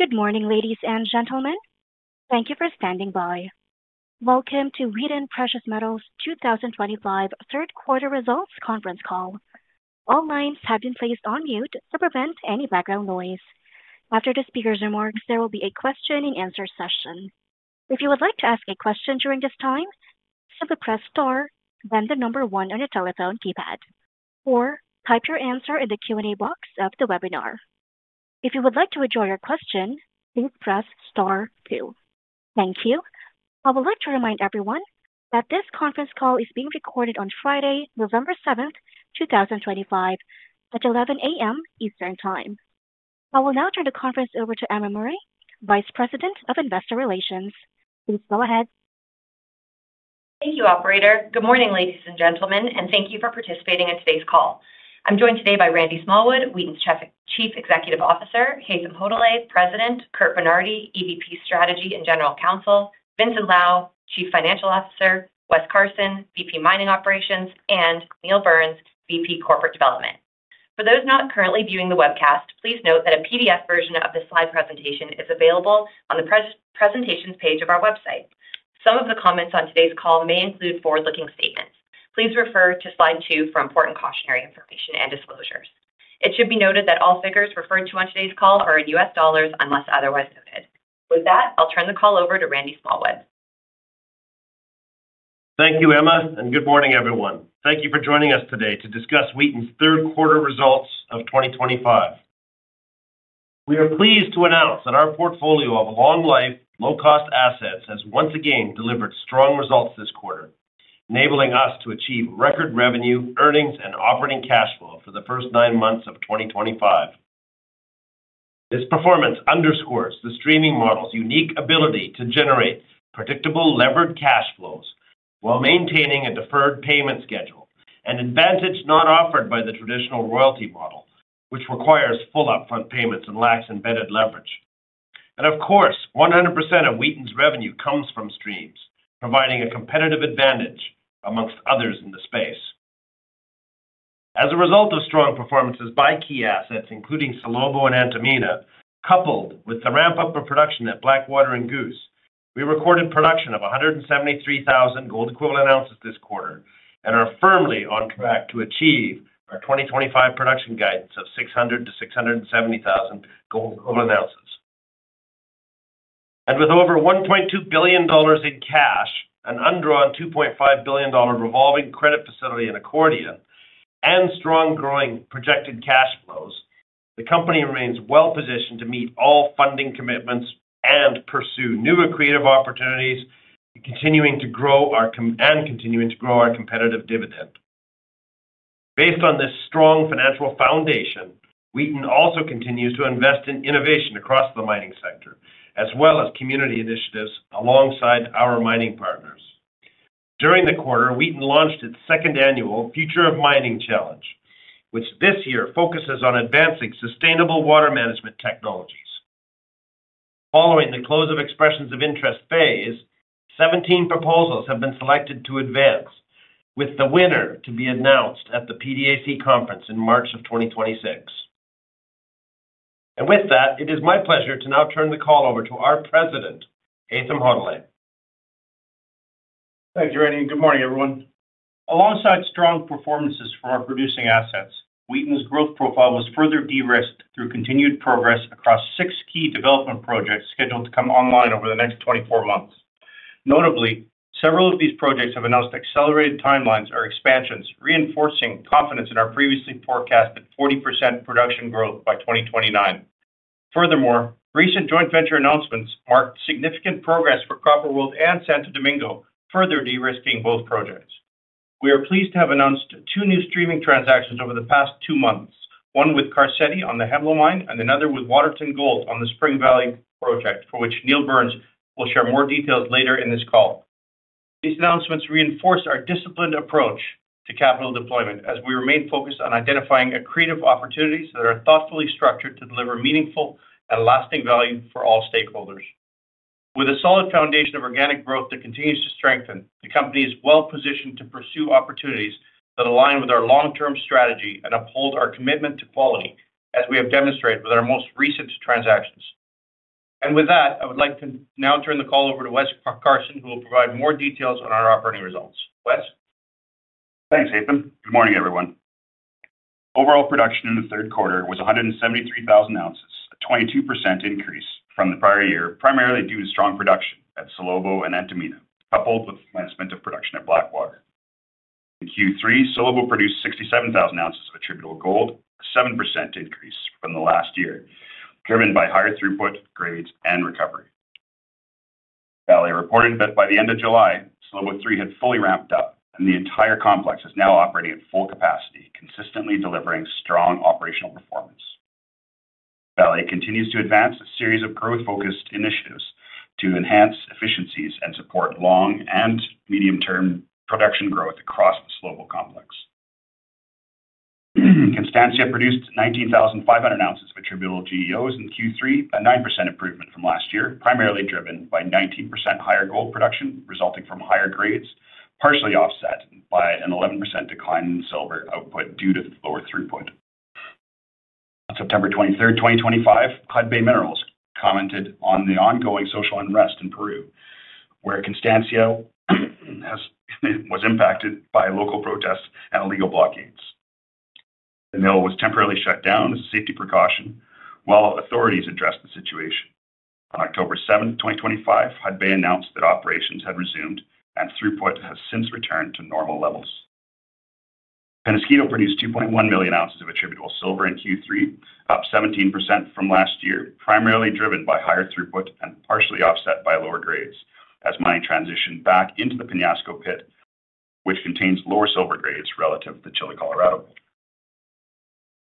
Good morning, ladies and gentlemen. Thank you for standing by. Welcome to Wheaton Precious Metals 2025 Third Quarter Results Conference Call. All lines have been placed on mute to prevent any background noise. After the speaker's remarks, there will be a Question-and-Answer session. If you would like to ask a question during this time, simply press Star, then the number one on your telephone keypad, or type your question in the Q&A box of the webinar. If you would like to withdraw your question, please press Star two. Thank you. I would like to remind everyone that this conference call is being recorded on Friday, November 7, 2025, at 11:00 A.M. Eastern Time. I will now turn the conference over to Emma Murray, Vice President of Investor Relations. Please go ahead. Thank you, Operator. Good morning, ladies and gentlemen, and thank you for participating in today's call. I'm joined today by Randy Smallwood, Wheaton's Chief Executive Officer, Haytham Hodaly, President, Curt Bernardi, EVP Strategy and General Counsel, Vincent Lau, Chief Financial Officer, Wes Carson, VP Mining Operations, and Neil Burns, VP Corporate Development. For those not currently viewing the webcast, please note that a PDF version of this slide presentation is available on the presentation's page of our website. Some of the comments on today's call may include forward-looking statements. Please refer to slide two for important cautionary information and disclosures. It should be noted that all figures referred to on today's call are in U.S. dollars unless otherwise noted. With that, I'll turn the call over to Randy Smallwood. Thank you, Emma, and good morning, everyone. Thank you for joining us today to discuss Wheaton's Third Quarter Results of 2025. We are pleased to announce that our portfolio of long-life, low-cost assets has once again delivered strong results this quarter, enabling us to achieve record revenue, earnings, and operating cash flow for the first nine months of 2025. This performance underscores the Streaming Model's unique ability to generate predictable levered cash flows while maintaining a deferred payment schedule, an advantage not offered by the traditional Royalty Model, which requires full upfront payments and lacks embedded leverage. Of course, 100% of Wheaton's revenue comes from Streams, providing a competitive advantage amongst others in the space. As a result of strong performances by key assets, including Salobo and Antamina, coupled with the ramp-up of production at Blackwater and Goose, we recorded production of 173,000 gold-equivalent ounces this quarter and are firmly on track to achieve our 2025 Production Guidance of 600,000-670,000 gold-equivalent ounces. With over $1.2 billion in cash, an undrawn $2.5 billion revolving credit facility in accordion, and strong growing projected cash flows, the company remains well-positioned to meet all funding commitments and pursue new and creative opportunities, continuing to grow our competitive dividend. Based on this strong financial foundation, Wheaton also continues to invest in innovation across the mining sector, as well as community initiatives alongside our mining partners. During the quarter, Wheaton launched its second annual Future of Mining Challenge, which this year focuses on advancing sustainable water management technologies. Following the close of expressions of interest phase, 17 proposals have been selected to advance, with the winner to be announced at the PDAC conference in March of 2026. It is my pleasure to now turn the call over to our President, Haytham Hodaly. Thank you, Randy. Good morning, everyone. Alongside strong performances for our producing assets, Wheaton's growth profile was further de-risked through continued progress across six key development projects scheduled to come online over the next 24 months. Notably, several of these projects have announced accelerated timelines or expansions, reinforcing confidence in our previously forecasted 40% production growth by 2029. Furthermore, recent joint venture announcements marked significant progress for Copper World and Santo Domingo, further de-risking both projects. We are pleased to have announced two new Streaming transactions over the past two months, one with Carcetti on the Hemlo Mine and another with Waterton Global on the Spring Valley project, for which Neil Burns will share more details later in this call. These announcements reinforce our disciplined approach to capital deployment as we remain focused on identifying creative opportunities that are thoughtfully structured to deliver meaningful and lasting value for all stakeholders. With a solid foundation of organic growth that continues to strengthen, the company is well-positioned to pursue opportunities that align with our long-term strategy and uphold our commitment to quality, as we have demonstrated with our most recent transactions. I would like to now turn the call over to Wes Carson, who will provide more details on our operating results. Wes? Thanks, Haytham. Good morning, everyone. Overall production in the third quarter was 173,000 ounces, a 22% increase from the prior year, primarily due to strong production at Salobo and Antamina, coupled with management of production at Blackwater. In Q3, Salobo produced 67,000 ounces of attributable gold, a 7% increase from the last year, driven by higher throughput, grades, and recovery. Vale reported that by the end of July, Salobo 3 had fully ramped up, and the entire complex is now operating at full capacity, consistently delivering strong operational performance. Vale continues to advance a series of growth-focused initiatives to enhance efficiencies and support long and medium-term production growth across the Salobo complex. Constancia produced 19,500 ounces of attributable GEOs in Q3, a 9% improvement from last year, primarily driven by 19% higher gold production resulting from higher grades, partially offset by an 11% decline in silver output due to lower throughput. On September 23, 2025, Hudbay Minerals commented on the ongoing social unrest in Peru, where Constancia was impacted by local protests and illegal blockades. The mill was temporarily shut down as a safety precaution while authorities addressed the situation. On October 7, 2025, Hudbay announced that operations had resumed and throughput has since returned to normal levels. Peñasquito produced 2.1 million ounces of attributable silver in Q3, up 17% from last year, primarily driven by higher throughput and partially offset by lower grades, as mining transitioned back into the Peñasco pit, which contains lower silver grades relative to the Chile, Colorado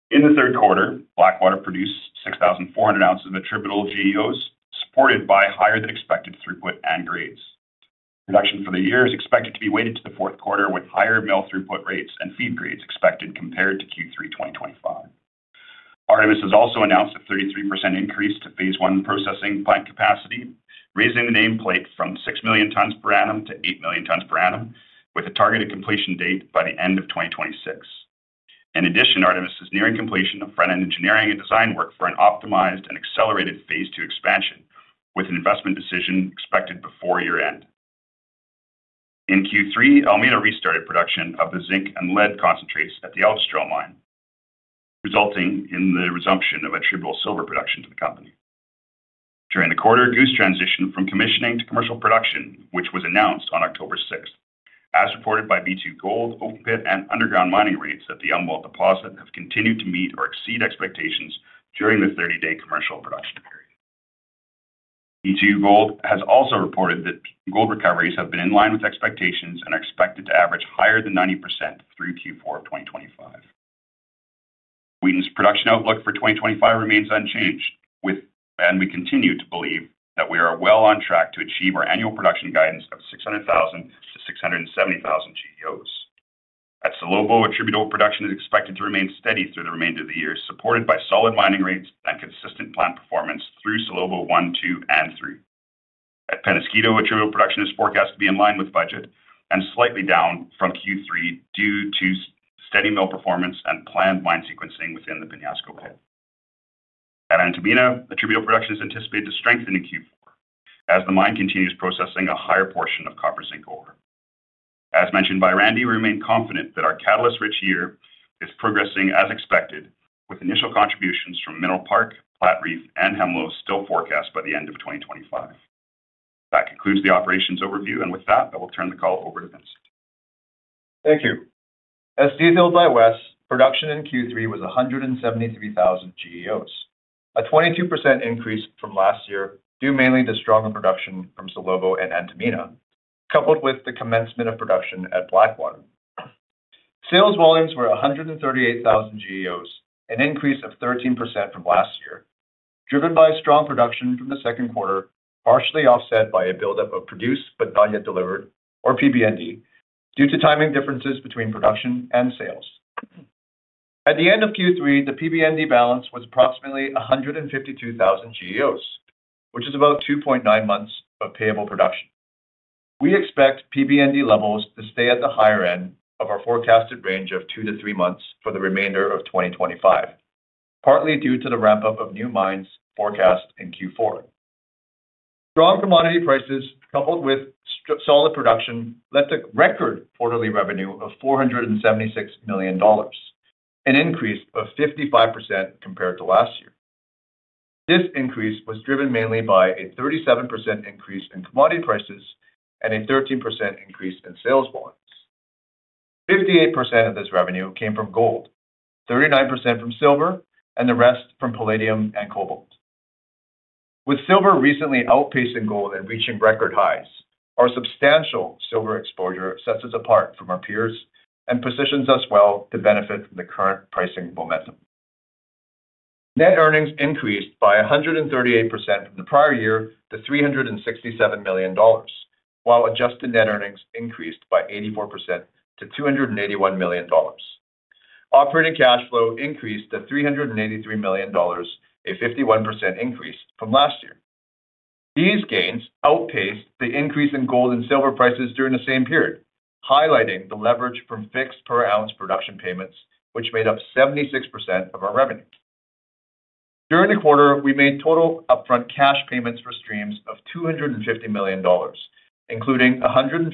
pit. In the third quarter, Blackwater produced 6,400 ounces of attributable GEOs, supported by higher-than-expected throughput and grades. Production for the year is expected to be weighted to the fourth quarter, with higher mill throughput rates and feed grades expected compared to Q3 2025. Artemis has also announced a 33% increase to Phase One processing plant capacity, raising the nameplate from 6 million tons per annum to 8 million tons per annum, with a targeted completion date by the end of 2026. In addition, Artemis is nearing completion of front-end engineering and design work for an optimized and accelerated phase two expansion, with an investment decision expected before year-end. In Q3, Almina restarted production of the zinc and lead concentrates at the Aljustrel mine, resulting in the resumption of attributable silver production to the company. During the quarter, Goose transitioned from commissioning to commercial production, which was announced on October 6th. As reported by B2Gold, open pit and underground mining rates at the deposit have continued to meet or exceed expectations during the 30-day commercial production period. B2Gold has also reported that gold recoveries have been in line with expectations and are expected to average higher than 90% through Q4 2025. Wheaton's production outlook for 2025 remains unchanged, and we continue to believe that we are well on track to achieve our annual production guidance of 600,000-670,000 GEOs. At Salobo, attributable production is expected to remain steady through the remainder of the year, supported by solid mining rates and consistent plant performance through Salobo 1, 2, and 3. At Peñasquito, attributable production is forecast to be in line with budget and slightly down from Q3 due to steady mill performance and planned mine sequencing within the Peñasco pit. At Antamina, attributable production is anticipated to strengthen in Q4, as the mine continues processing a higher portion of copper zinc ore. As mentioned by Randy, we remain confident that our catalyst-rich year is progressing as expected, with initial contributions from Mineral Park, Platreef, and Hemlo still forecast by the end of 2025. That concludes the operations overview, and with that, I will turn the call over to Vincent. Thank you. As detailed by Wes, production in Q3 was 173,000 GEOs, a 22% increase from last year, due mainly to stronger production from Salobo and Antamina, coupled with the commencement of production at Blackwater. Sales volumes were 138,000 GEOs, an increase of 13% from last year, driven by strong production from the second quarter, partially offset by a buildup of produced but not yet delivered, or PBND, due to timing differences between production and sales. At the end of Q3, the PBND balance was approximately 152,000 GEOs, which is about 2.9 months of payable production. We expect PBND levels to stay at the higher end of our forecasted range of two to three months for the remainder of 2025, partly due to the ramp-up of new mines forecast in Q4. Strong commodity prices, coupled with solid production, led to record quarterly revenue of $476 million, an increase of 55% compared to last year. This increase was driven mainly by a 37% increase in commodity prices and a 13% increase in sales volumes. 58% of this revenue came from gold, 39% from silver, and the rest from palladium and cobalt. With silver recently outpacing gold and reaching record highs, our substantial silver exposure sets us apart from our peers and positions us well to benefit from the current pricing momentum. Net earnings increased by 138% from the prior year to $367 million, while adjusted net earnings increased by 84% to $281 million. Operating cash flow increased to $383 million, a 51% increase from last year. These gains outpaced the increase in gold and silver prices during the same period, highlighting the leverage from fixed per ounce production payments, which made up 76% of our revenue. During the quarter, we made total upfront cash payments for Streams of $250 million, including $156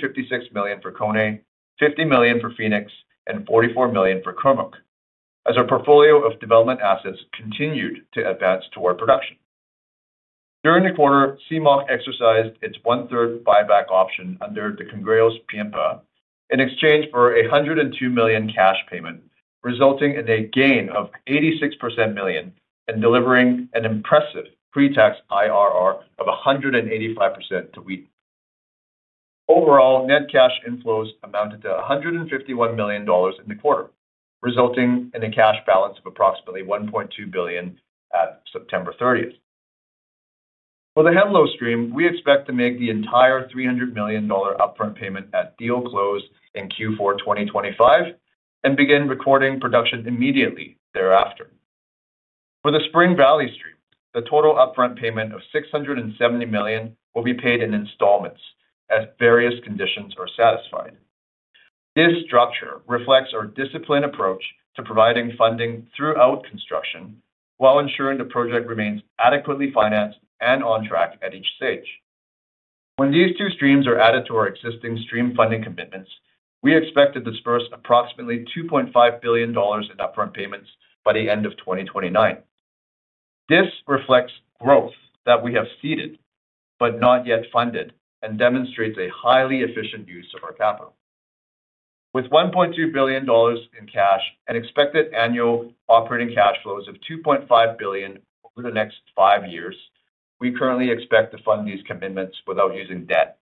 million for Koné, $50 million for Fenix, and $44 million for Kurmuk, as our portfolio of development assets continued to advance toward production. During the quarter, CMOC exercised its one-third buyback option under the Cangrejos PMPA in exchange for a $102 million cash payment, resulting in a gain of $86 million and delivering an impressive pre-tax IRR of 185% to Wheaton. Overall, net cash inflows amounted to $151 million in the quarter, resulting in a cash balance of approximately $1.2 billion at September 30th. For the Hemlo Stream, we expect to make the entire $300 million upfront payment at deal close in Q4 2025 and begin recording production immediately thereafter. For the Spring Valley Stream, the total upfront payment of $670 million will be paid in installments as various conditions are satisfied. This structure reflects our disciplined approach to providing funding throughout construction while ensuring the project remains adequately financed and on track at each stage. When these two Streams are added to our existing Stream funding commitments, we expect to disperse approximately $2.5 billion in upfront payments by the end of 2029. This reflects growth that we have seeded but not yet funded and demonstrates a highly efficient use of our capital. With $1.2 billion in cash and expected annual operating cash flows of $2.5 billion over the next five years, we currently expect to fund these commitments without using debt.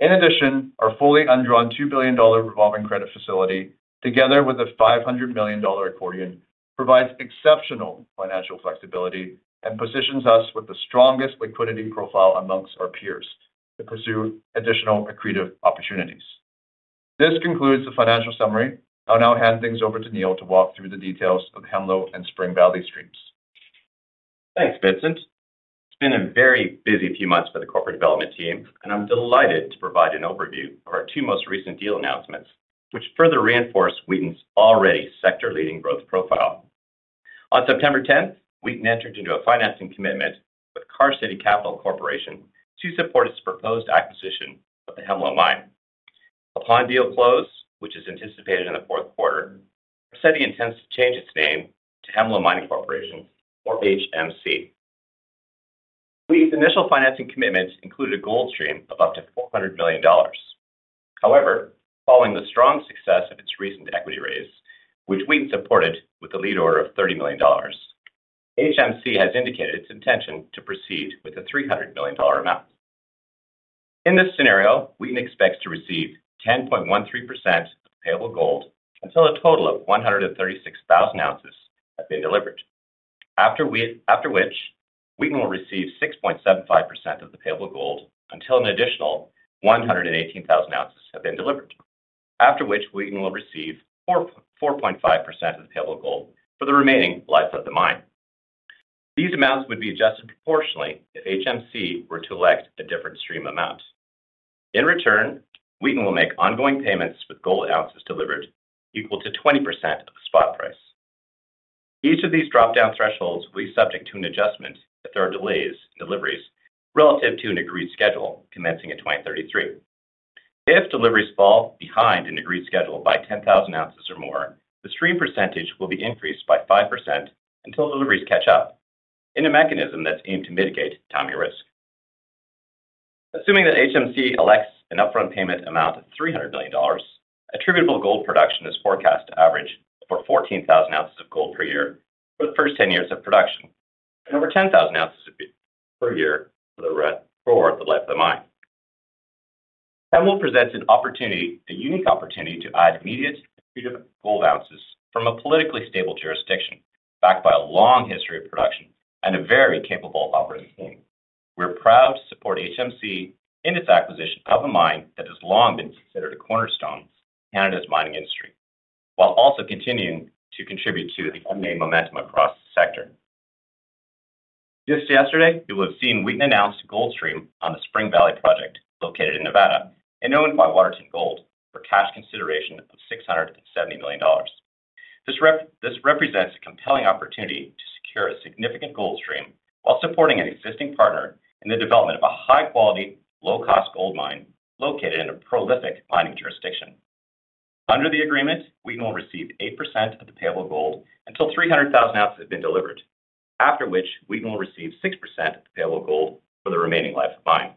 In addition, our fully undrawn $2 billion revolving credit facility, together with a $500 million accordion, provides exceptional financial flexibility and positions us with the strongest liquidity profile amongst our peers to pursue additional accretive opportunities. This concludes the financial summary. I'll now hand things over to Neil to walk through the details of Hemlo and Spring Valley Streams. Thanks, Vincent. It's been a very busy few months for the corporate development team, and I'm delighted to provide an overview of our two most recent deal announcements, which further reinforce Wheaton's already sector-leading growth profile. On September 10th, Wheaton entered into a financing commitment with Carcetti Capital Corporation to support its proposed acquisition of the Hemlo Mine. Upon deal close, which is anticipated in the fourth quarter, Carcetti intends to change its name to Hemlo Mining Corporation, or HMC. Wheaton's initial financing commitment included a gold Stream of up to $400 million. However, following the strong success of its recent equity raise, which Wheaton supported with a lead order of $30 million, HMC has indicated its intention to proceed with a $300 million amount. In this scenario, Wheaton expects to receive 10.13% of payable gold until a total of 136,000 ounces have been delivered, after which Wheaton will receive 6.75% of the payable gold until an additional 118,000 ounces have been delivered, after which Wheaton will receive 4.5% of the payable gold for the remaining life of the mine. These amounts would be adjusted proportionally if HMC were to elect a different Stream amount. In return, Wheaton will make ongoing payments with gold ounces delivered equal to 20% of the spot price. Each of these dropdown thresholds will be subject to an adjustment if there are delays in deliveries relative to an agreed schedule commencing in 2033. If deliveries fall behind an agreed schedule by 10,000 ounces or more, the Stream percentage will be increased by 5% until deliveries catch up, in a mechanism that's aimed to mitigate timing risk. Assuming that HMC elects an upfront payment amount of $300 million, attributable gold production is forecast to average over 14,000 ounces of gold per year for the first 10 years of production and over 10,000 ounces per year for the life of the mine. Hemlo presents an opportunity, a unique opportunity to add immediate attributable gold ounces from a politically stable jurisdiction backed by a long history of production and a very capable operating team. We're proud to support HMC in its acquisition of a mine that has long been considered a cornerstone of Canada's mining industry, while also continuing to contribute to the unnamed momentum across the sector. Just yesterday, you will have seen Wheaton announce a gold Stream on the Spring Valley project located in Nevada and owned by Waterton Global for cash consideration of $670 million. This represents a compelling opportunity to secure a significant gold Stream while supporting an existing partner in the development of a high-quality, low-cost gold mine located in a prolific mining jurisdiction. Under the agreement, Wheaton will receive 8% of the payable gold until 300,000 ounces have been delivered, after which Wheaton will receive 6% of the payable gold for the remaining life of the mine.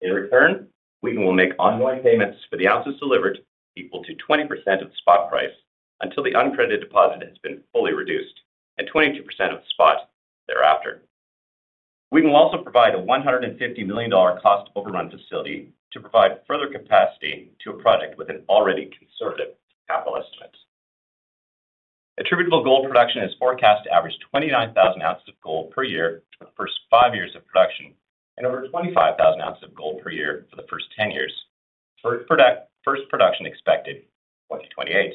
In return, Wheaton will make ongoing payments for the ounces delivered equal to 20% of the spot price until the uncredited deposit has been fully reduced and 22% of the spot thereafter. Wheaton will also provide a $150 million cost overrun facility to provide further capacity to a project with an already conservative capital estimate. Attributable gold production is forecast to average 29,000 ounces of gold per year for the first five years of production and over 25,000 ounces of gold per year for the first 10 years, first production expected in 2028.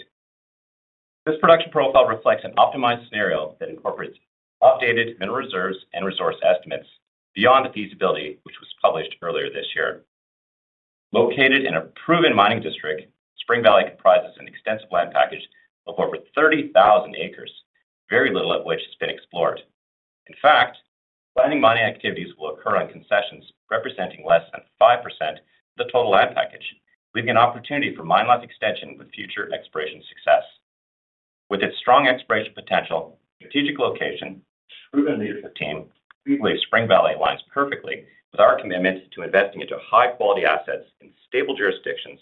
This production profile reflects an optimized scenario that incorporates updated mineral reserves and resource estimates beyond the feasibility, which was published earlier this year. Located in a proven mining district, Spring Valley comprises an extensive land package of over 30,000 acres, very little of which has been explored. In fact, planning mining activities will occur on concessions representing less than 5% of the total land package, leaving an opportunity for mine life extension with future exploration success. With its strong exploration potential, strategic location, and proven leadership team, we believe Spring Valley aligns perfectly with our commitment to investing into high-quality assets in stable jurisdictions.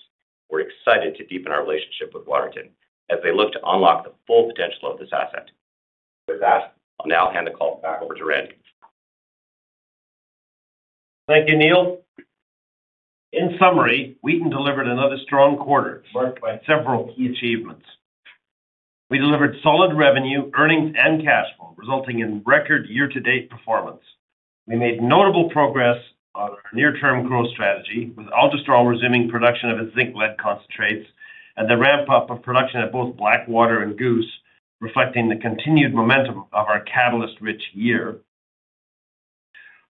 We're excited to deepen our relationship with Waterton as they look to unlock the full potential of this asset. With that, I'll now hand the call back over to Randy. Thank you, Neil. In summary, Wheaton delivered another strong quarter marked by several key achievements. We delivered solid revenue, earnings, and cash flow, resulting in record year-to-date performance. We made notable progress on our near-term growth strategy with Aldestral resuming production of its zinc lead concentrates and the ramp-up of production at both Blackwater and Goose, reflecting the continued momentum of our catalyst-rich year.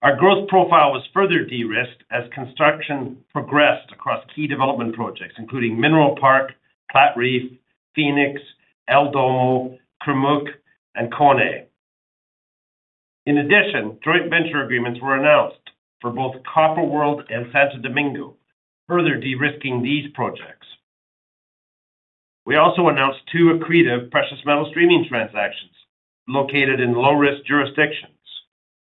Our growth profile was further de-risked as construction progressed across key development projects, including Mineral Park, Platreef, Phoenix, El Domo, Kurmuk, and Koné. In addition, joint venture agreements were announced for both Copper World and Santo Domingo, further de-risking these projects. We also announced two accretive precious metal Streaming transactions located in low-risk jurisdictions,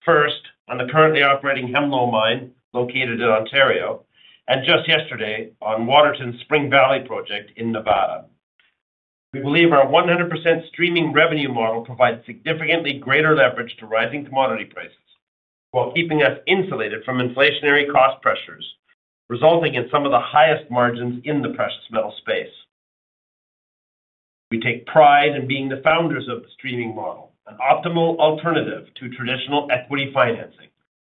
first on the currently operating Hemlo Mine located in Ontario and just yesterday on Waterton Spring Valley project in Nevada. We believe our 100% Streaming revenue model provides significantly greater leverage to rising commodity prices while keeping us insulated from inflationary cost pressures, resulting in some of the highest margins in the precious metal space. We take pride in being the founders of the Streaming model, an optimal alternative to traditional equity financing.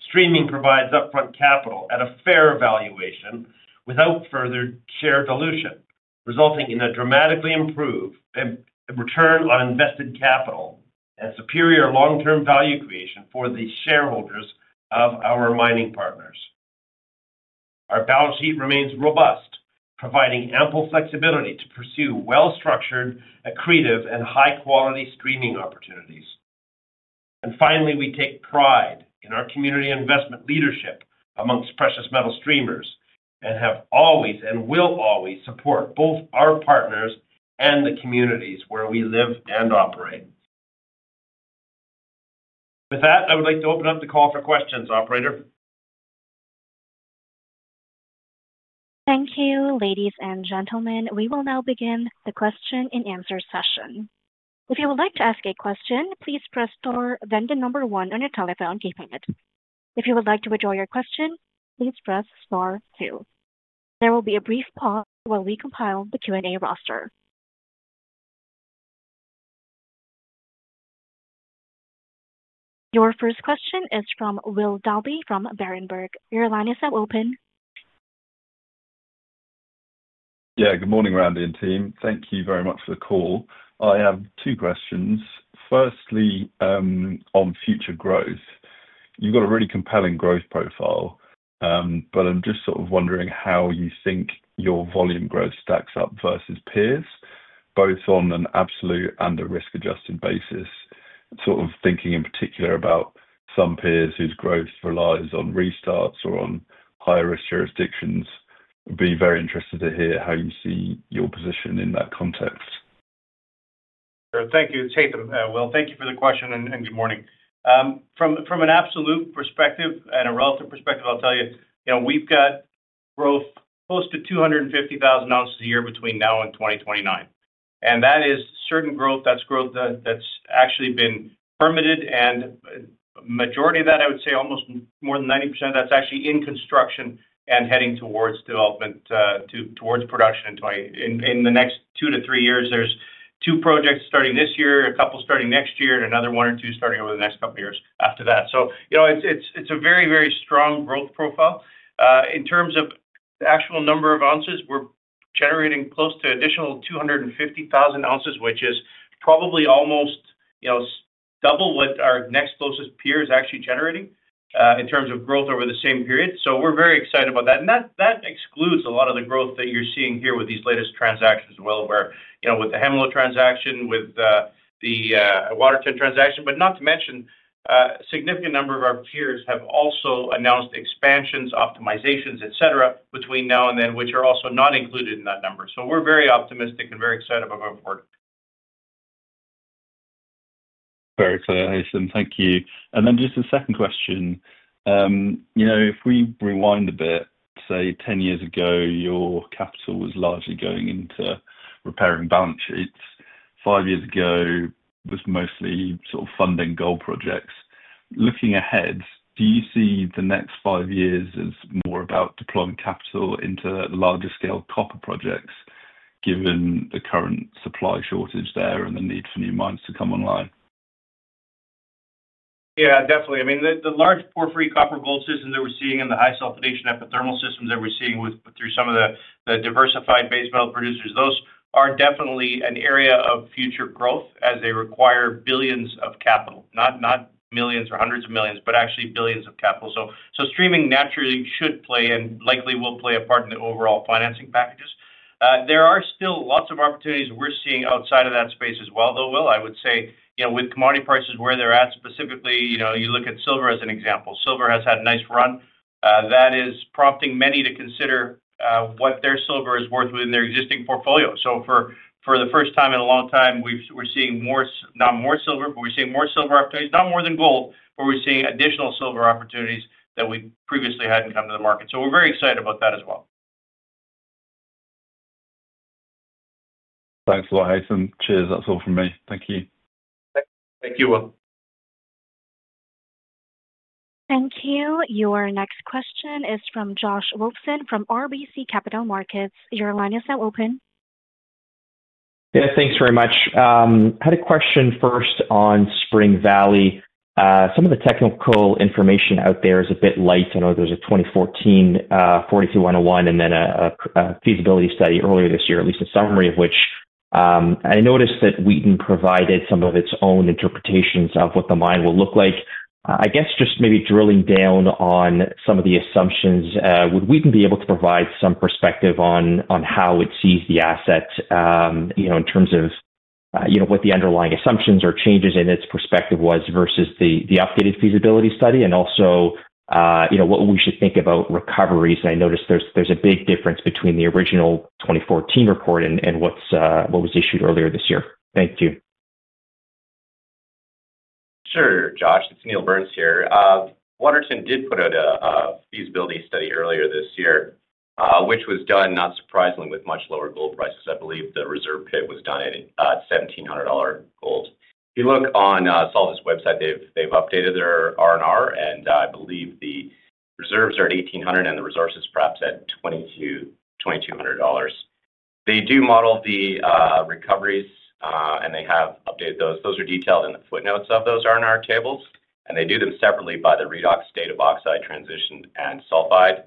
Streaming provides upfront capital at a fair valuation without further share dilution, resulting in a dramatically improved return on invested capital and superior long-term value creation for the shareholders of our mining partners. Our balance sheet remains robust, providing ample flexibility to pursue well-structured, accretive, and high-quality Streaming opportunities. Finally, we take pride in our community investment leadership amongst precious metal Streamers and have always and will always support both our partners and the communities where we live and operate. With that, I would like to open up the call for questions, operator. Thank you, ladies and gentlemen. We will now begin the question and answer session. If you would like to ask a question, please press star then the number one on your telephone keypad. If you would like to withdraw your question, please press star two. There will be a brief pause while we compile the Q&A roster. Your first question is from Will Dalby from Berenberg. Your line is now open. Yeah, good morning, Randy and team. Thank you very much for the call. I have two questions. Firstly, on future growth. You've got a really compelling growth profile, but I'm just sort of wondering how you think your volume growth stacks up versus peers, both on an absolute and a risk-adjusted basis. Sort of thinking in particular about some peers whose growth relies on restarts or on higher-risk jurisdictions. I'd be very interested to hear how you see your position in that context. Thank you, Haythum. Thank you for the question and good morning. From an absolute perspective and a relative perspective, I'll tell you, you know, we've got growth close to 250,000 ounces a year between now and 2029. That is certain growth. That's growth that's actually been permitted. The majority of that, I would say almost more than 90% of that's actually in construction and heading towards development, towards production in the next two to three years. There are two projects starting this year, a couple starting next year, and another one or two starting over the next couple of years after that. You know, it's a very, very strong growth profile. In terms of the actual number of ounces, we're generating close to an additional 250,000 ounces, which is probably almost, you know, double what our next closest peer is actually generating in terms of growth over the same period. We are very excited about that. That excludes a lot of the growth that you're seeing here with these latest transactions as well, where, you know, with the Hemlo transaction, with the Waterton transaction, not to mention a significant number of our peers have also announced expansions, optimizations, et cetera, between now and then, which are also not included in that number. We are very optimistic and very excited about going forward. Very clear, Haytham. Thank you. And then just a second question. You know, if we rewind a bit, say 10 years ago, your capital was largely going into repairing balance sheets. Five years ago was mostly sort of funding gold projects. Looking ahead, do you see the next five years as more about deploying capital into larger-scale copper projects given the current supply shortage there and the need for new mines to come online? Yeah, definitely. I mean, the large porphyry copper gold systems that we're seeing and the high sulfidation epithermal systems that we're seeing through some of the diversified base metal producers, those are definitely an area of future growth as they require billions of capital, not millions or hundreds of millions, but actually billions of capital. Streaming naturally should play and likely will play a part in the overall financing packages. There are still lots of opportunities we're seeing outside of that space as well, though, Will, I would say, you know, with commodity prices where they're at specifically, you know, you look at silver as an example. Silver has had a nice run. That is prompting many to consider what their silver is worth within their existing portfolio. For the first time in a long time, we're seeing more, not more silver, but we're seeing more silver opportunities, not more than gold, but we're seeing additional silver opportunities that we previously hadn't come to the market. We're very excited about that as well. Thanks a lot, Haytham. Cheers. That's all from me. Thank you. Thank you, Will. Thank you. Your next question is from Josh Wolfson from RBC Capital Markets. Your line is now open. Yeah, thanks very much. I had a question first on Spring Valley. Some of the technical information out there is a bit light. I know there's a 2014 NI 43-101 and then a feasibility study earlier this year, at least a summary of which. I noticed that Wheaton provided some of its own interpretations of what the mine will look like. I guess just maybe drilling down on some of the assumptions, would Wheaton be able to provide some perspective on how it sees the asset, you know, in terms of, you know, what the underlying assumptions or changes in its perspective was versus the updated feasibility study and also, you know, what we should think about recoveries? I noticed there's a big difference between the original 2014 report and what was issued earlier this year. Thank you. Sure, Josh. It's Neil Burns here. Waterton did put out a feasibility study earlier this year, which was done, not surprisingly, with much lower gold prices. I believe the reserve pit was done at $1,700 gold. If you look on Solvus' website, they've updated their R&R, and I believe the reserves are at $1,800 and the resources perhaps at $2,200. They do model the recoveries, and they have updated those. Those are detailed in the footnotes of those R&R tables, and they do them separately by the redox state of oxide transition and sulfide,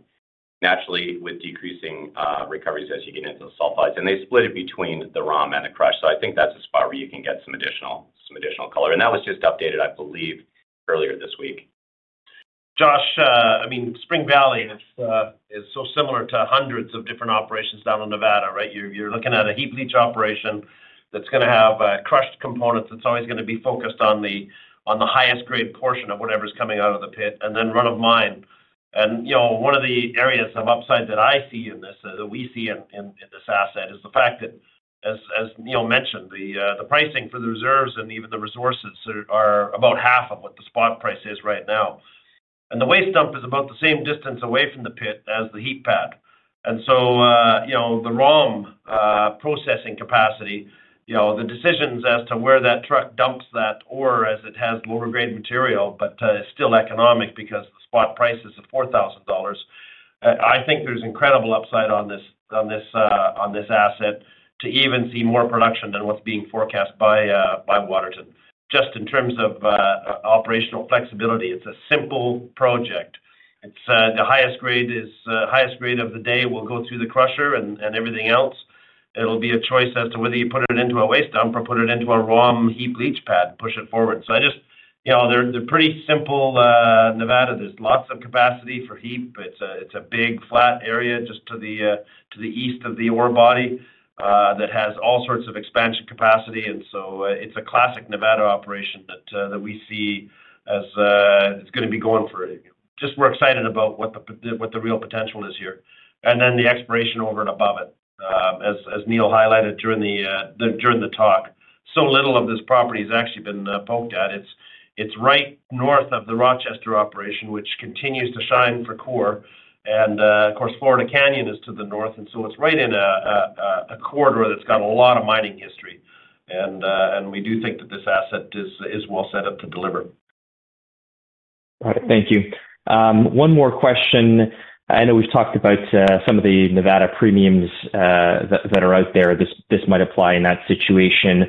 naturally with decreasing recoveries as you get into the sulfides. They split it between the ROM and the crush. I think that's a spot where you can get some additional color. That was just updated, I believe, earlier this week. Josh, I mean, Spring Valley is so similar to hundreds of different operations down in Nevada, right? You're looking at a heap leach operation that's going to have crushed components. It's always going to be focused on the highest grade portion of whatever's coming out of the pit and then run of mine. And, you know, one of the areas of upside that I see in this, that we see in this asset, is the fact that, as Neil mentioned, the pricing for the reserves and even the resources are about half of what the spot price is right now. And the waste dump is about the same distance away from the pit as the heap pad. You know, the ROM processing capacity, you know, the decisions as to where that truck dumps that ore as it has lower grade material, but it's still economic because the spot price is $4,000. I think there's incredible upside on this asset to even see more production than what's being forecast by Waterton. Just in terms of operational flexibility, it's a simple project. The highest grade of the day will go through the crusher and everything else. It'll be a choice as to whether you put it into a waste dump or put it into a ROM heap leach pad and push it forward. I just, you know, they're pretty simple. Nevada, there's lots of capacity for heap. It's a big flat area just to the east of the ore body that has all sorts of expansion capacity. It is a classic Nevada operation that we see as it is going to be going for it. We are excited about what the real potential is here. The exploration over and above it, as Neil highlighted during the talk, so little of this property has actually been poked at. It is right north of the Rochester operation, which continues to shine for Coeur. Florida Canyon is to the north. It is right in a corridor that has a lot of mining history. We do think that this asset is well set up to deliver. All right, thank you. One more question. I know we've talked about some of the Nevada premiums that are out there. This might apply in that situation.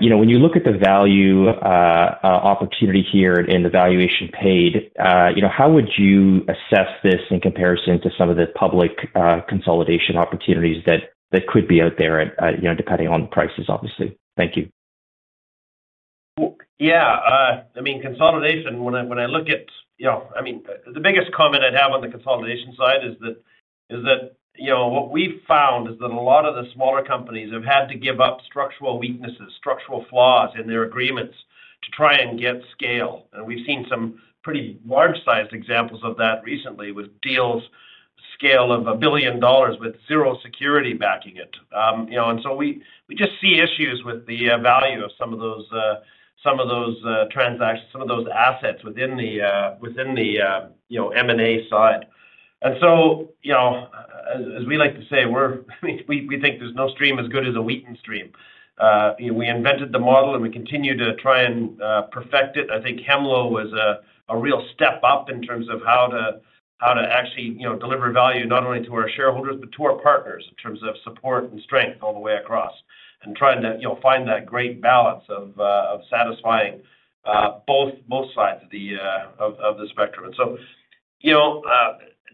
You know, when you look at the value opportunity here and the valuation paid, you know, how would you assess this in comparison to some of the public consolidation opportunities that could be out there, you know, depending on the prices, obviously? Thank you. Yeah. I mean, consolidation, when I look at, you know, I mean, the biggest comment I'd have on the consolidation side is that, you know, what we've found is that a lot of the smaller companies have had to give up structural weaknesses, structural flaws in their agreements to try and get scale. And we've seen some pretty large-sized examples of that recently with deals scale of $1 billion with zero security backing it. You know, and we just see issues with the value of some of those transactions, some of those assets within the, you know, M&A side. And, you know, as we like to say, we think there's no Stream as good as a Wheaton Stream. We invented the model and we continue to try and perfect it. I think Hemlo was a real step up in terms of how to actually, you know, deliver value not only to our shareholders, but to our partners in terms of support and strength all the way across and trying to, you know, find that great balance of satisfying both sides of the spectrum. You know,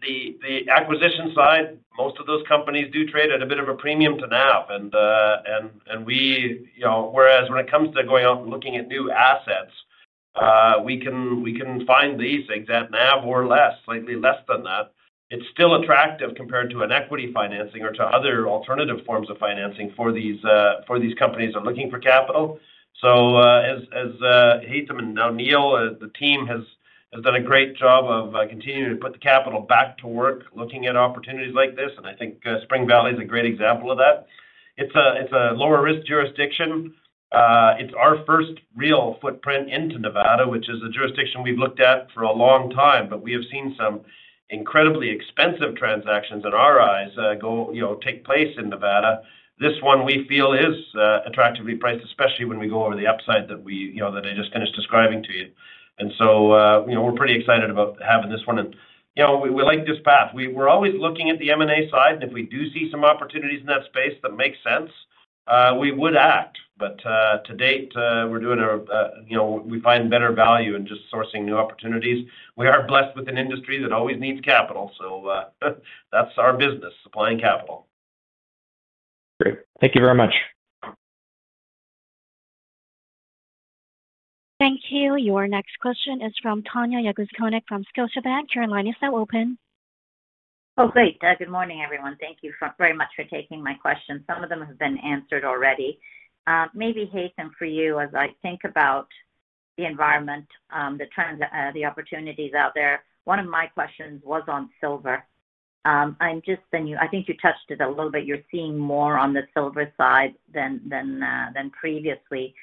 the acquisition side, most of those companies do trade at a bit of a premium to NAV. We, you know, whereas when it comes to going out and looking at new assets, we can find these things at NAV or slightly less than that. It is still attractive compared to an equity financing or to other alternative forms of financing for these companies that are looking for capital. As Haytham and now Neil, the team has done a great job of continuing to put the capital back to work, looking at opportunities like this. I think Spring Valley is a great example of that. It is a lower-risk jurisdiction. It is our first real footprint into Nevada, which is a jurisdiction we have looked at for a long time, but we have seen some incredibly expensive transactions in our eyes take place in Nevada. This one we feel is attractively priced, especially when we go over the upside that we, you know, that I just finished describing to you. You know, we are pretty excited about having this one. You know, we like this path. We are always looking at the M&A side. If we do see some opportunities in that space that make sense, we would act. To date, we're doing, you know, we find better value in just sourcing new opportunities. We are blessed with an industry that always needs capital. So that's our business, supplying capital. Great. Thank you very much. Thank you. Your next question is from Tanya Jakusconek from Scotiabank. Your line is now open. Oh, great. Good morning, everyone. Thank you very much for taking my questions. Some of them have been answered already. Maybe Haytham, for you, as I think about the environment, the opportunities out there, one of my questions was on silver. I think you touched it a little bit. You're seeing more on the silver side than previously.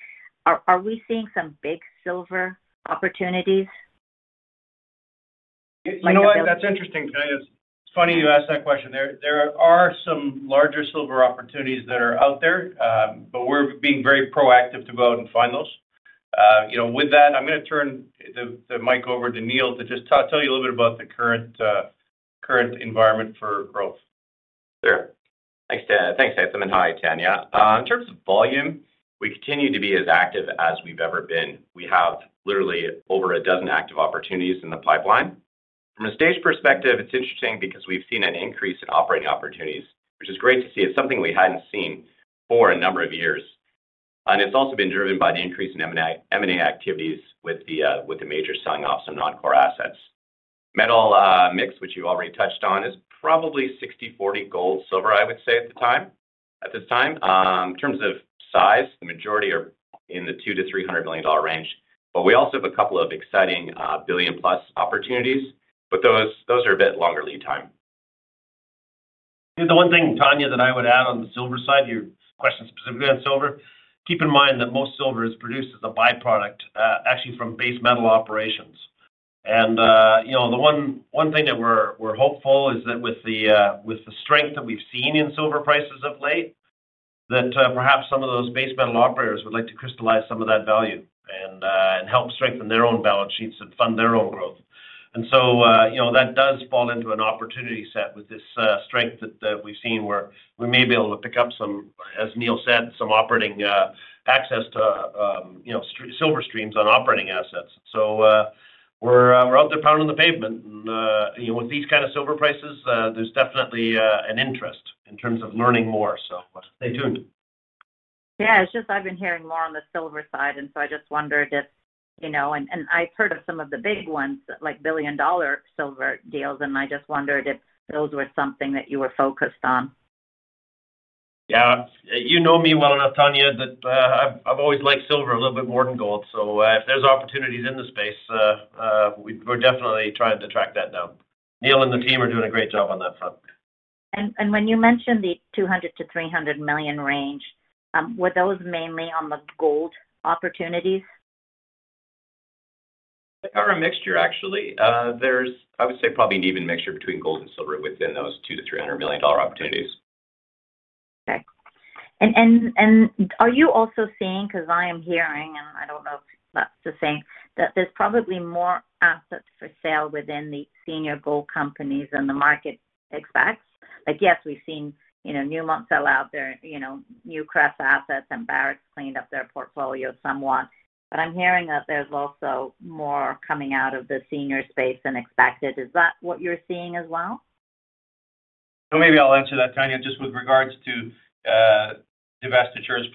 Are we seeing some big silver opportunities? You know what? That's interesting. It's funny you asked that question. There are some larger silver opportunities that are out there, but we're being very proactive to go out and find those. You know, with that, I'm going to turn the mic over to Neil to just tell you a little bit about the current environment for growth. Sure. Thanks, Haytham. Hi, Tanya. In terms of volume, we continue to be as active as we've ever been. We have literally over a dozen active opportunities in the pipeline. From a stage perspective, it's interesting because we've seen an increase in operating opportunities, which is great to see. It's something we hadn't seen for a number of years. It's also been driven by the increase in M&A activities with the majors selling off some non-core assets. Metal mix, which you already touched on, is probably 60/40 gold, silver, I would say, at this time. In terms of size, the majority are in the $200-$300 million range. We also have a couple of exciting billion-plus opportunities, but those are a bit longer lead time. The one thing, Tanya, that I would add on the silver side, your question specifically on silver, keep in mind that most silver is produced as a byproduct, actually, from base metal operations. You know, the one thing that we're hopeful is that with the strength that we've seen in silver prices of late, perhaps some of those base metal operators would like to crystallize some of that value and help strengthen their own balance sheets and fund their own growth. That does fall into an opportunity set with this strength that we've seen where we may be able to pick up some, as Neil said, some operating access to, you know, silver Streams on operating assets. We're out there pounding the pavement. You know, with these kinds of silver prices, there's definitely an interest in terms of learning more. Stay tuned. Yeah, it's just I've been hearing more on the silver side. I just wondered if, you know, and I've heard of some of the big ones, like billion-dollar silver deals. I just wondered if those were something that you were focused on. Yeah. You know me well enough, Tanya, that I've always liked silver a little bit more than gold. If there's opportunities in the space, we're definitely trying to track that down. Neil and the team are doing a great job on that front. When you mentioned the $200-$300 million range, were those mainly on the gold opportunities? They are a mixture, actually. There's, I would say, probably an even mixture between gold and silver within those $200-$300 million opportunities. Okay. Are you also seeing, because I am hearing, and I do not know if that is the same, that there is probably more assets for sale within the senior gold companies than the market expects? Like, yes, we have seen, you know, Newmont sell out their, you know, new crush assets and Barrick has cleaned up their portfolio somewhat. I am hearing that there is also more coming out of the senior space than expected. Is that what you are seeing as well? Maybe I'll answer that, Tanya, just with regards to divestitures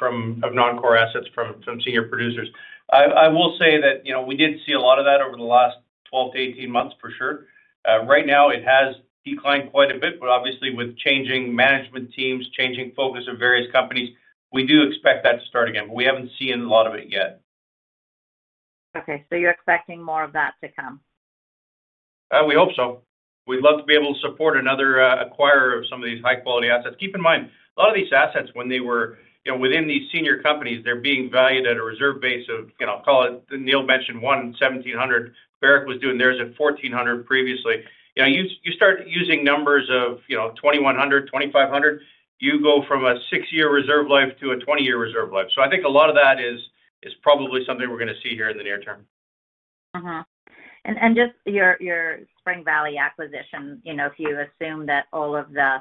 of non-core assets from senior producers. I will say that, you know, we did see a lot of that over the last 12 to 18 months, for sure. Right now, it has declined quite a bit, but obviously, with changing management teams, changing focus of various companies, we do expect that to start again. We haven't seen a lot of it yet. Okay. So you're expecting more of that to come? We hope so. We'd love to be able to support another acquirer of some of these high-quality assets. Keep in mind, a lot of these assets, when they were within these senior companies, they're being valued at a reserve base of, you know, I'll call it, Neil mentioned one $1,700. Barrick was doing theirs at $1,400 previously. You know, you start using numbers of, you know, $2,100, $2,500, you go from a six-year reserve life to a 20-year reserve life. I think a lot of that is probably something we're going to see here in the near term. Just your Spring Valley acquisition, you know, if you assume that all of the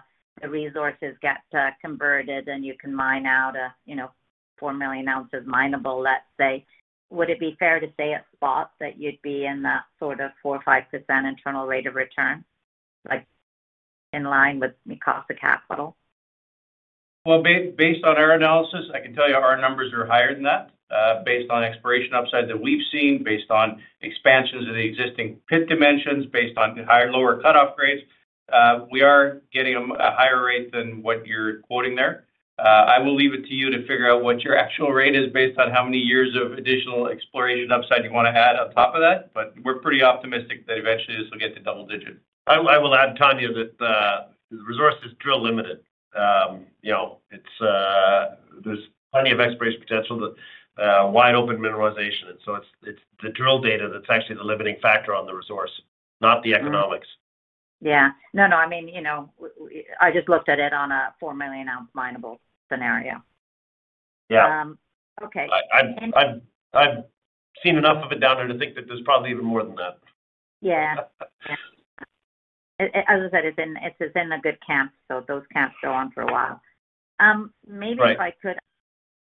resources get converted and you can mine out, you know, 4 million ounces minable, let's say, would it be fair to say at spot that you'd be in that sort of 4%-5% internal rate of return, like in line with the cost of capital? Based on our analysis, I can tell you our numbers are higher than that. Based on exploration upside that we've seen, based on expansions of the existing pit dimensions, based on higher lower cutoff grades, we are getting a higher rate than what you're quoting there. I will leave it to you to figure out what your actual rate is based on how many years of additional exploration upside you want to add on top of that. We're pretty optimistic that eventually this will get to double digit. I will add, Tanya, that the resource is drill-limited. You know, there's plenty of exploration potential, wide open mineralization. You know, it's the drill data that's actually the limiting factor on the resource, not the economics. Yeah. No, no. I mean, you know, I just looked at it on a 4 million ounce minable scenario. Yeah. Okay. I've seen enough of it down there to think that there's probably even more than that. Yeah. As I said, it's in a good camp, so those camps go on for a while. Maybe if I could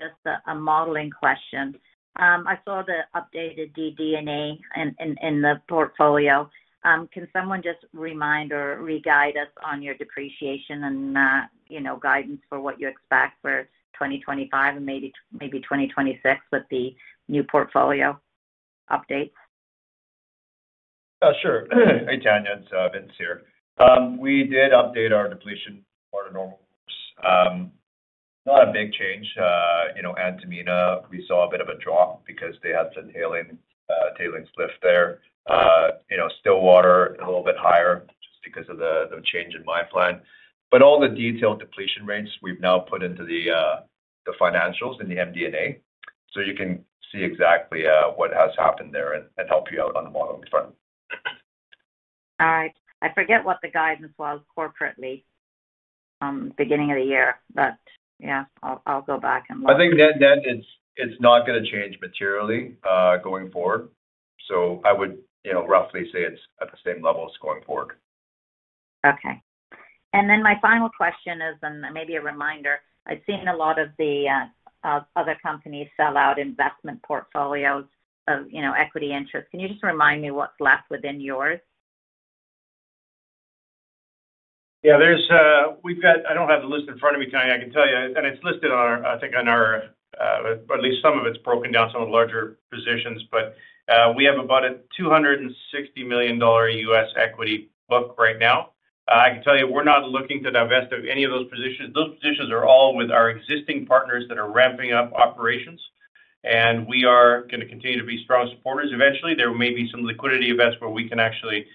ask a modeling question. I saw the updated DD&A in the portfolio. Can someone just remind or re-guide us on your depreciation and, you know, guidance for what you expect for 2025 and maybe 2026 with the new portfolio updates? Sure. Hey, Tanya. It's Vince here. We did update our depletion part of normals. Not a big change. You know, Antamina, we saw a bit of a drop because they had some tailings slip there. You know, Stillwater, a little bit higher just because of the change in mine plan. But all the detailed depletion rates we've now put into the financials in the MD&A. You can see exactly what has happened there and help you out on the modeling front. All right. I forget what the guidance was corporately at the beginning of the year, but yeah, I'll go back and look. I think net-net is not going to change materially going forward. I would, you know, roughly say it's at the same levels going forward. Okay. My final question is, and maybe a reminder, I've seen a lot of the other companies sell out investment portfolios of, you know, equity interests. Can you just remind me what's left within yours? Yeah. We've got—I don't have the list in front of me, Tanya. I can tell you. And it's listed on our, I think, on our—at least some of it's broken down, some of the larger positions. But we have about a $260 million U.S. equity book right now. I can tell you we're not looking to divest of any of those positions. Those positions are all with our existing partners that are ramping up operations. We are going to continue to be strong supporters. Eventually, there may be some liquidity events where we can actually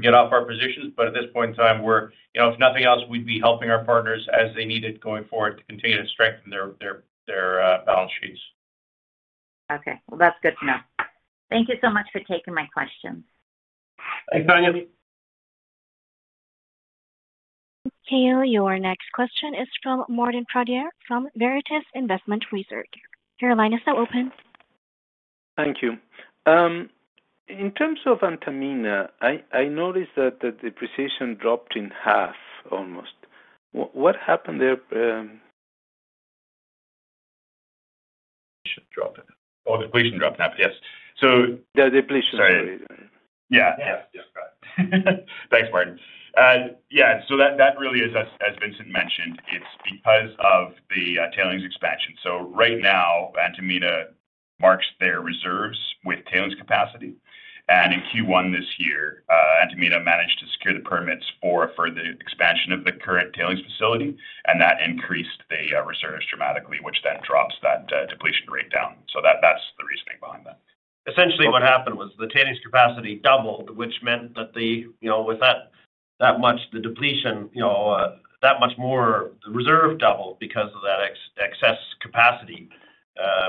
get off our positions. At this point in time, we're—you know, if nothing else, we'd be helping our partners as they need it going forward to continue to strengthen their balance sheets. Okay. That is good to know. Thank you so much for taking my questions. Thanks, Tanya. Thank you. Your next question is from Martin Pradier from Veritas Investment Research. Your line is now open? Thank you. In terms of Antamina, I noticed that the depreciation dropped in half almost. What happened there? Depreciation dropped. Oh, depreciation dropped, yes. The depletion. Sorry. Yeah. Yes. Yes. Go ahead. Thanks, Martin. Yeah. So that really is, as Vincent mentioned, it's because of the tailings expansion. Right now, Antamina marks their reserves with tailings capacity. In Q1 this year, Antamina managed to secure the permits for further expansion of the current tailings facility. That increased the reserves dramatically, which then drops that depletion rate down. That's the reasoning behind that. Essentially, what happened was the tailings capacity doubled, which meant that the, you know, with that much, the depletion, you know, that much more the reserve doubled because of that excess capacity.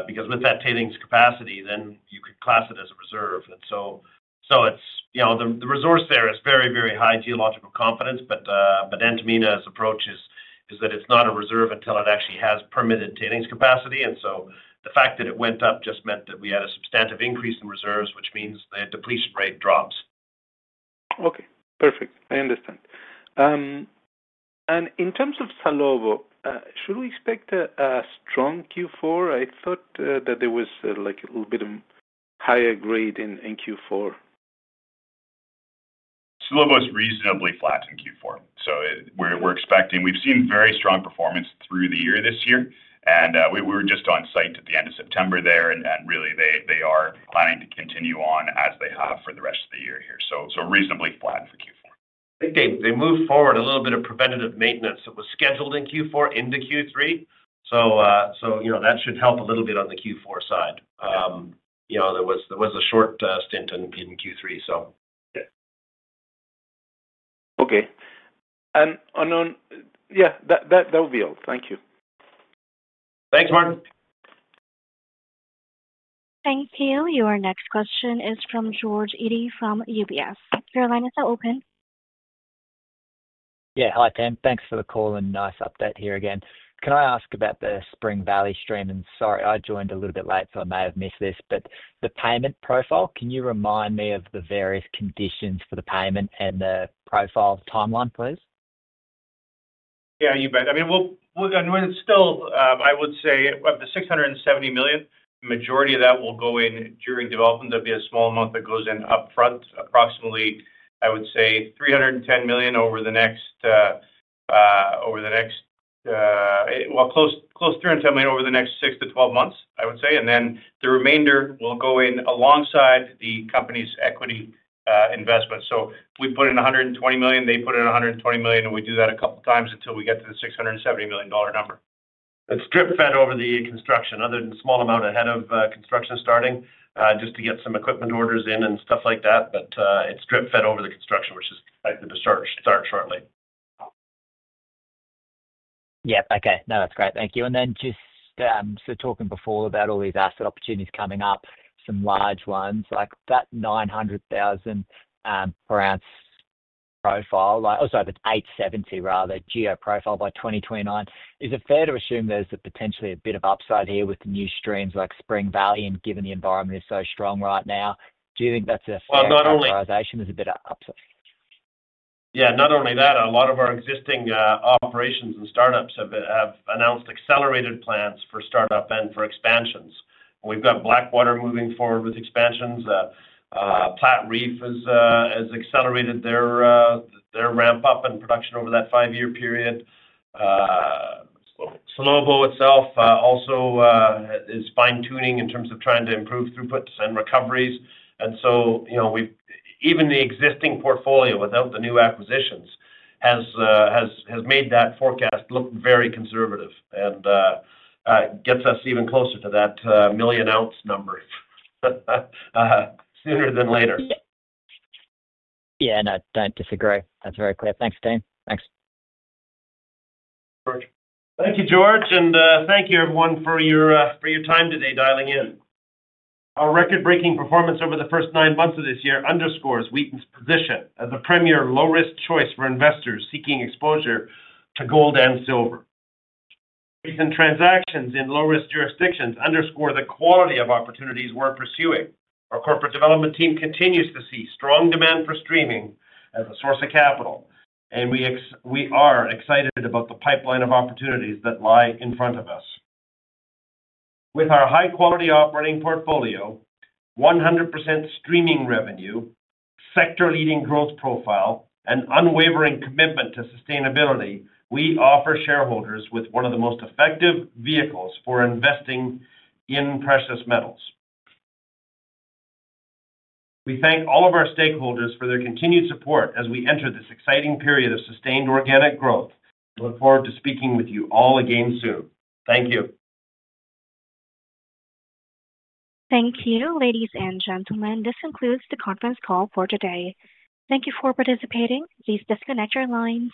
Because with that tailings capacity, then you could class it as a reserve. It is, you know, the resource there is very, very high geological confidence. Antamina's approach is that it is not a reserve until it actually has permitted tailings capacity. The fact that it went up just meant that we had a substantive increase in reserves, which means the depletion rate drops. Okay. Perfect. I understand. In terms of Salobo, should we expect a strong Q4? I thought that there was like a little bit of higher grade in Q4. Salobo is reasonably flat in Q4. We are expecting—we have seen very strong performance through the year this year. We were just on site at the end of September there. Really, they are planning to continue on as they have for the rest of the year here. Reasonably flat for Q4. They moved forward a little bit of preventative maintenance that was scheduled in Q4 into Q3. You know, that should help a little bit on the Q4 side. You know, there was a short stint in Q3, so. Yeah. Okay. Yeah, that will be all. Thank you. Thanks, Martin. Thank you. Your next question is from George Eadie from UBS. Your line is now open? Yeah. Hytham. Thanks for the call and nice update here again. Can I ask about the Spring Valley Stream? Sorry, I joined a little bit late, so I may have missed this. The payment profile, can you remind me of the various conditions for the payment and the profile timeline, please? Yeah, you bet. I mean, we're going to instill, I would say, of the $670 million, the majority of that will go in during development. There'll be a small amount that goes in upfront, approximately, I would say, $310 million over the next—well, close to $310 million over the next 6-12 months, I would say. Thereafter, the remainder will go in alongside the company's equity investment. We put in $120 million, they put in $120 million, and we do that a couple of times until we get to the $670 million number. It's drip-fed over the construction, other than a small amount ahead of construction starting, just to get some equipment orders in and stuff like that. It's drip-fed over the construction, which is likely to start shortly. Yeah. Okay. No, that's great. Thank you. Just talking before about all these asset opportunities coming up, some large ones, like that $900,000 per ounce profile—or sorry, the $870, rather, GEO profile by 2029. Is it fair to assume there's potentially a bit of upside here with the new Streams like Spring Valley? Given the environment is so strong right now, do you think that's a fair— Not only. Realization is a bit of upside? Yeah. Not only that. A lot of our existing operations and startups have announced accelerated plans for startup and for expansions. We have Blackwater moving forward with expansions. Platreef has accelerated their ramp-up and production over that five-year period. Salobo itself also is fine-tuning in terms of trying to improve throughputs and recoveries. And, you know, even the existing portfolio without the new acquisitions has made that forecast look very conservative and gets us even closer to that million-ounce number sooner than later. Yeah. No, don't disagree. That's very clear. Thanks, Tham. Thanks. Thank you, George. Thank you, everyone, for your time today dialing in. Our record-breaking performance over the first nine months of this year underscores Wheaton's position as a premier low-risk choice for investors seeking exposure to gold and silver. Recent transactions in low-risk jurisdictions underscore the quality of opportunities we are pursuing. Our corporate development team continues to see strong demand for Streaming as a source of capital. We are excited about the pipeline of opportunities that lie in front of us. With our high-quality operating portfolio, 100% Streaming revenue, sector-leading growth profile, and unwavering commitment to sustainability, we offer shareholders one of the most effective vehicles for investing in precious metals. We thank all of our stakeholders for their continued support as we enter this exciting period of sustained organic growth. We look forward to speaking with you all again soon. Thank you. Thank you, ladies and gentlemen. This concludes the conference call for today. Thank you for participating. Please disconnect your lines.